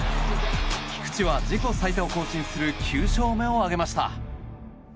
菊池は自己最多を更新する９勝目を挙げました。